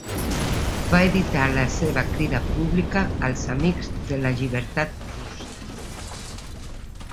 Va editar la seva crida pública als amics de la llibertat russa.